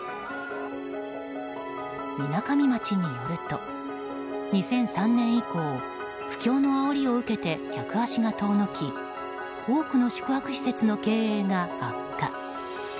みなかみ町によると２００３年以降不況のあおりを受けて客足が遠のき多くの宿泊施設の経営が悪化。